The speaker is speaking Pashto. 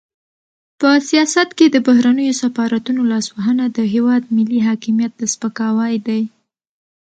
په سیاست کې د بهرنیو سفارتونو لاسوهنه د هېواد ملي حاکمیت ته سپکاوی دی.